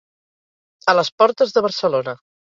A les portes de Barcelona.